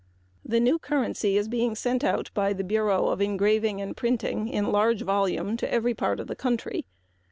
The new currency is being sent out by the Bureau of Engraving and Printing in large volume to every part of the country.